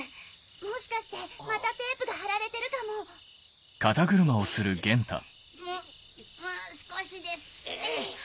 もしかしてまたテープが貼られてるかも。ももう少しですえいっ！